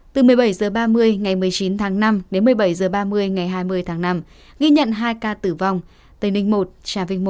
từ một mươi bảy h ba mươi ngày một mươi chín tháng năm đến một mươi bảy h ba mươi ngày hai mươi tháng năm ghi nhận hai ca tử vong tây ninh một trà vinh một